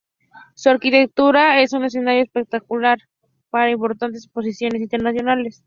Su arquitectura crea un escenario espectacular para importantes exposiciones internacionales.